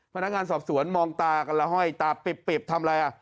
พนักงานสอบสวนมองตากันละห้อยตาปิบทำอะไรอ่ะ